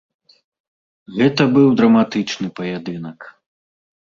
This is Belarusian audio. Гэта быў драматычны паядынак.